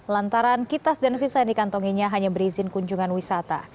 lantaran kitas dan visa yang dikantonginya hanya berizin kunjungan wisata